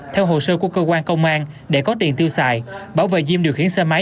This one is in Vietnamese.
theo hồ sơ của cơ quan công an để có tiền tiêu xài bảo và diêm điều khiển xe máy